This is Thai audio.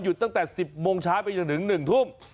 ตั้งแต่๑๐โมงเช้าไปจนถึง๑ทุ่ม